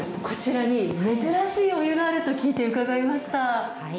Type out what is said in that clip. こちらに珍しいお湯があると聞いて伺いました。